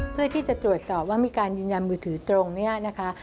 เพื่อที่จะตรวจสอบว่ามีการยืนยันมือถือตรงเนี่ยนะคะ